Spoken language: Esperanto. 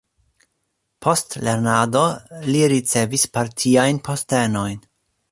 Post lernado li ricevis partiajn postenojn.